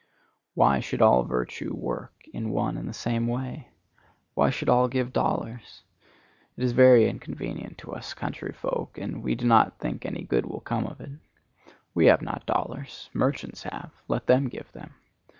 Why should all virtue work in one and the same way? Why should all give dollars? It is very inconvenient to us country folk, and we do not think any good will come of it. We have not dollars; merchants have; let them give them.